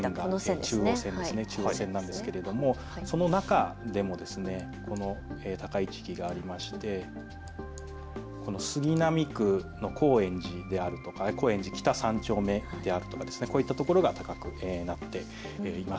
中央線なんですけれどもその中でも高い地域がありまして杉並区の高円寺であるとか高円寺北三丁目であるとかこういったところが高くなっています。